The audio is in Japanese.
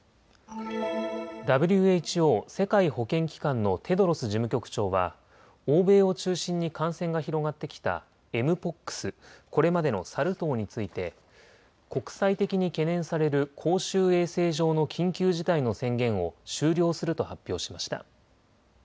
ＷＨＯ・世界保健機関のテドロス事務局長は欧米を中心に感染が広がってきたエムポックス、これまでのサル痘について国際的に懸念される公衆衛生上の緊急事態の宣言を終了すると発表しました。